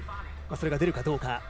それが出るかどうか。